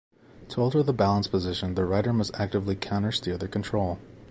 To alter the balance position the rider must actively countersteer the control.